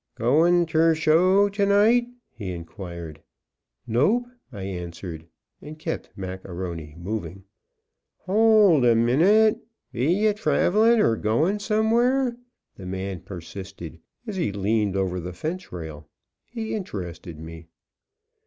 "Goin' ter show to night?" he inquired. "Nope," I answered, and kept Mac A'Rony moving. "Hold a minute! Be ye travelin' er goin' somewhere?" the man persisted, as he leaned over the fence rail. He interested me.